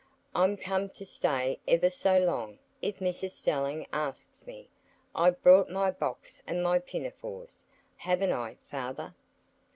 "I'm come to stay ever so long, if Mrs Stelling asks me. I've brought my box and my pinafores, haven't I, father?"